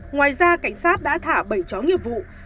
ngoài ra cảnh sát đã thả bảy chó nghiệp vụ